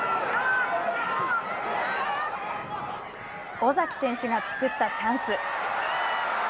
尾崎選手が作ったチャンス。